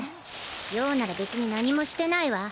葉なら別に何もしてないわ。